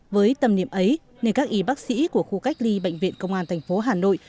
với tầm niệm ấy nên các y bác sĩ của khu cách ly bệnh viện công an tp hà nội